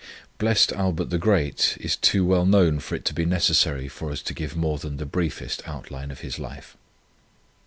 Blessed Albert the Great is too well known for it to be necessary for us to give more than the briefest outline of his life.